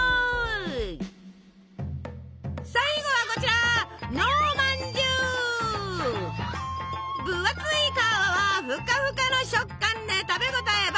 最後はこちら分厚い皮はふかふかの食感で食べ応えバッチリ！